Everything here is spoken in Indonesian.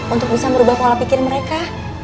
untuk bisa merubah pola pikir mereka